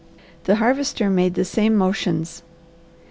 The Harvester made the same motions.